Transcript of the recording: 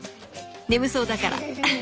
眠そうだから。